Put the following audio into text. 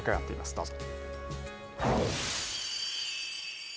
どうぞ。